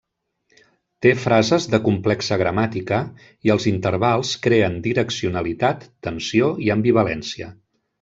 Té frases de complexa gramàtica, i els intervals creen direccionalitat, tensió i ambivalència.